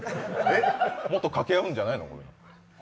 もっと掛け合うんじゃないの、これ